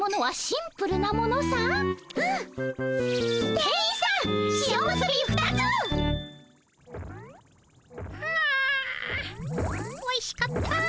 はあおいしかった。